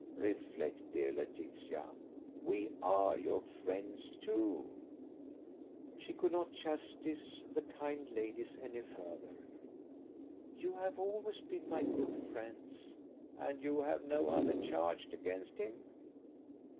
Reflect, dear Laetitia. We are your friends too." She could not chastise the kind ladies any further. "You have always been my good friends." "And you have no other charge against him?"